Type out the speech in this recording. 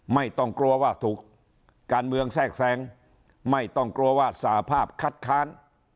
ไม่ต้องกลัวว่าถูกการเมืองแทรกแทรงไม่ต้องกลัวว่าสภาพคัดค้าน